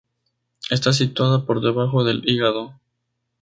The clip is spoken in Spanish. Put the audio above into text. Está situada por debajo del hígado.